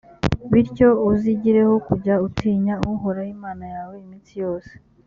bityo uzigireho kujya utinya uhoraho imana yawe iminsi yose.